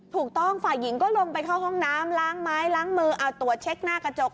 ถูกต้องฝ่ายหญิงก็ลงไปเข้าห้องน้ำล้างไม้ล้างมือเอาตรวจเช็คหน้ากระจก